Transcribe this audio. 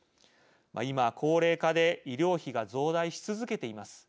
今、高齢化で医療費が増大し続けています。